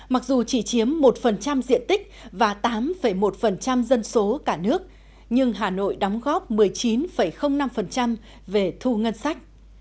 mặc dù chỉ chiếm một diện tích và tám một dân số cả nước nhưng hà nội đóng góp một mươi chín năm về thu ngân sách